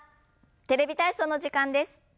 「テレビ体操」の時間です。